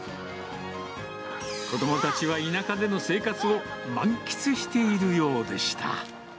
子どもたちは田舎での生活を満喫しているようでした。